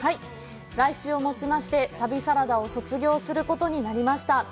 来週をもちまして、旅サラダを卒業することになりました。